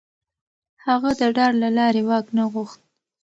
هغه د ډار له لارې واک نه غوښت.